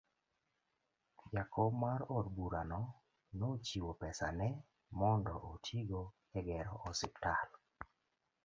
Jakom mar od burano nochiwo pesane mondo otigo e gero osiptal